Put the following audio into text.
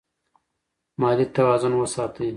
مالي توازن وساتئ.